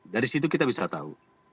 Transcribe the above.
dari situ kita bisa tahu